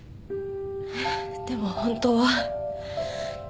でも本当は。